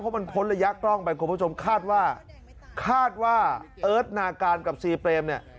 เพราะมันพ้นระยะกล้องไปคุณผู้ชมคาดว่าคาดว่าเอิร์ทนาการกับซีเปรมเนี่ย